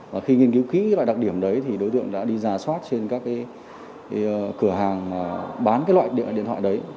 và khi nghiên cứu kỹ loại đặc điểm đấy thì đối tượng đã đi ra soát trên các cửa hàng bán loại điện thoại đấy